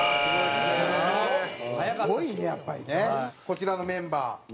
こちらのメンバー。